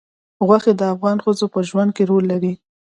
غوښې د افغان ښځو په ژوند کې رول لري.